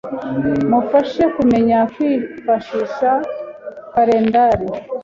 mufashe kumenya kwifashisha karendari,